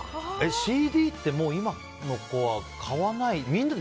ＣＤって今の子は買わないのかな？